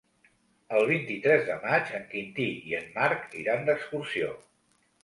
El vint-i-tres de maig en Quintí i en Marc iran d'excursió.